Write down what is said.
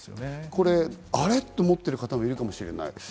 これ、あれっと思ってる人もいるかもしれない。